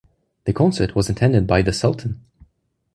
The concert was attended by the Sultan.